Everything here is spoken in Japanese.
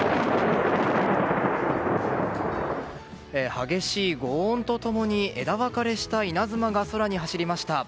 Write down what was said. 激しい轟音と共に枝分かれした稲妻が空に走りました。